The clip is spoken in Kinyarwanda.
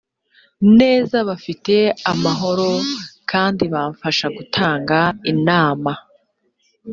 neza bafite amahoro kandi bamfasha gutanga inama